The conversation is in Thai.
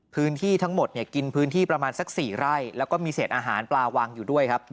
พื้นที่ทั้งหมดกินพื้นที่ประมาณสัก๔ไร่แล้วก็มีเศษอาหารปลาวางอยู่ด้วยครับ